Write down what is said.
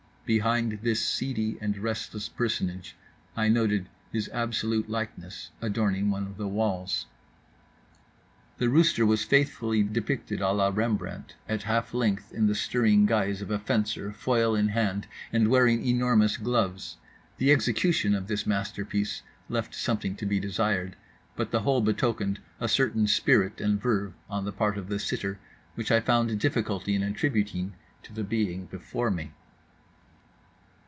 Behind this seedy and restless personage I noted his absolute likeness, adorning one of the walls. The rooster was faithfully depicted à la Rembrandt at half length in the stirring guise of a fencer, foil in hand, and wearing enormous gloves. The execution of this masterpiece left something to be desired; but the whole betokened a certain spirit and verve, on the part of the sitter, which I found difficulty in attributing to the being before me.